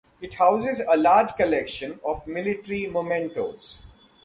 It houses a large collection of military mementoes.